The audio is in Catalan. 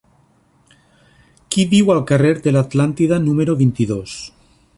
Qui viu al carrer de l'Atlàntida número vint-i-dos?